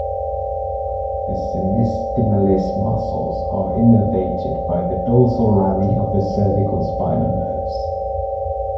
The semispinalis muscles are innervated by the dorsal rami of the cervical spinal nerves.